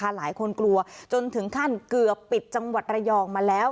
หลายคนกลัวจนถึงขั้นเกือบปิดจังหวัดระยองมาแล้ว